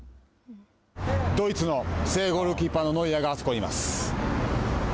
ドイツの正ゴールキーパーのノイアーがあそこにいます。